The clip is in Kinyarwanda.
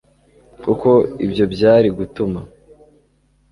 kuko ibyo byari gutuma